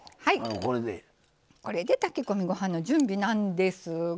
これで炊き込みご飯の準備なんですが。